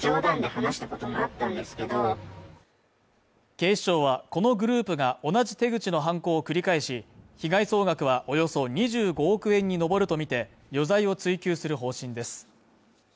警視庁は、このグループが同じ手口の犯行を繰り返し、被害総額はおよそ２５億円に上るとみて余罪を追及する方針です。